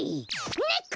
ねっこ！